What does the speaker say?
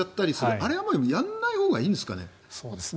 あれはやらないほうがいいんですかね。